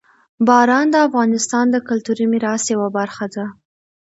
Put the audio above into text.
باران د افغانستان د کلتوري میراث یوه برخه ده.